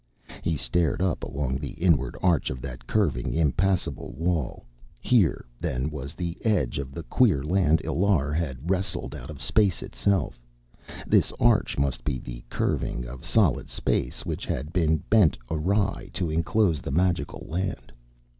He stared up along the inward arch of that curving, impassable wall. Here, then, was the edge of the queer land Illar had wrested out of space itself. This arch must be the curving of solid space which had been bent awry to enclose the magical land.